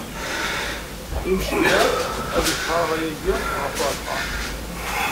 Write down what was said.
Imceyyeɛ ad isserɣ ayagi ɣef uɛalṭar.